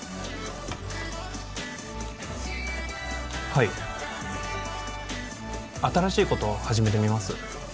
はい新しいこと始めてみます